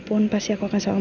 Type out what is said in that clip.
fyok mereka kunjungi